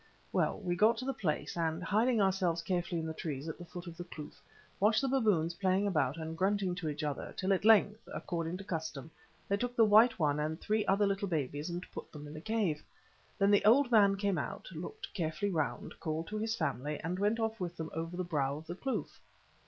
"Well, we got to the place, and, hiding ourselves carefully in the trees at the foot of the kloof, watched the baboons playing about and grunting to each other, till at length, according to custom, they took the white one and three other little babies and put them in the cave. Then the old man came out, looked carefully round, called to his family, and went off with them over the brow of the kloof.